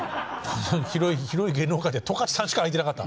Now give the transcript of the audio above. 広い芸能界で十勝さんしか空いてなかった。